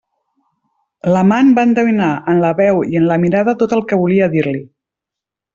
L'amant va endevinar en la veu i en la mirada tot el que volia dir-li.